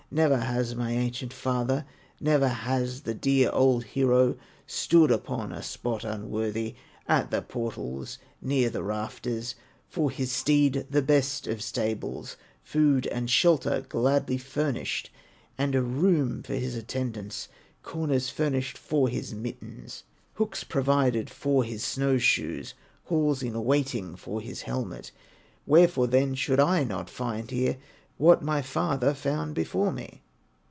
Never has my ancient father, Never has the dear old hero, Stood upon a spot unworthy, At the portals near the rafters; For his steed the best of stables, Food and shelter gladly furnished, And a room for his attendants, Corners furnished for his mittens, Hooks provided for his snow shoes, Halls in waiting for his helmet. Wherefore then should I not find here What my father found before me?"